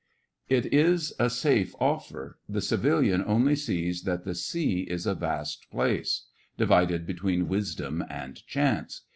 It is a safe offer. The civilian only sees that the sea is a vast place, divided between wisdom and chance.